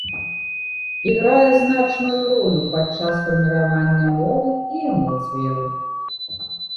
Іграе значную ролю падчас фарміравання мовы і эмоцыяў.